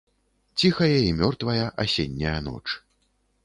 Ціхая і мёртвая асенняя ноч.